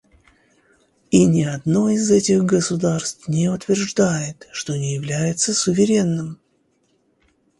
И ни одно из этих государств не утверждает, что не является суверенным.